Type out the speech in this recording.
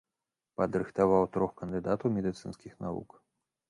Падрыхтаваў трох кандыдатаў медыцынскіх навук.